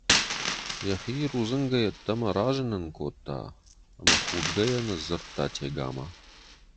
Йӕхи рудзынгӕй ӕддӕмӕ разынын кодта ӕмӕ худгӕйӕ ныдздзырдта Тегамӕ.